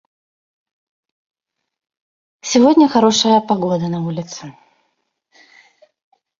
He subsequently took high school upgrading courses, and entered a career in journalism.